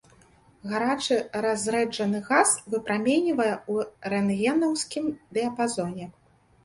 Гарачы разрэджаны газ выпраменьвае ў рэнтгенаўскім дыяпазоне.